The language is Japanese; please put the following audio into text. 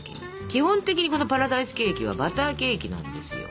基本的にこのパラダイスケーキはバターケーキなんですよ。